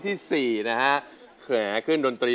หลีงคนไห้